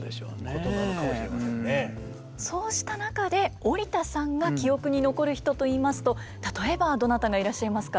そうした中で織田さんが記憶に残る人といいますと例えばどなたがいらっしゃいますか。